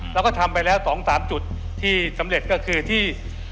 เราก็ทำไปแล้ว๒๓จุดที่สำเร็จก็คือที่